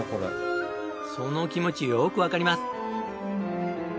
その気持ちよくわかります。